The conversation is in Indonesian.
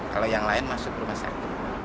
kalau yang lain masuk rumah sakit